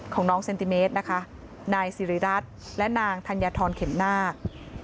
ของน้องเซนติเมตรนะคะนายสิริรัตน์และนางธัญฑรเข็มนาค